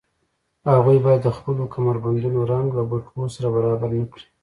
هغوی باید د خپلو کمربندونو رنګ له بټوو سره برابر نه کړي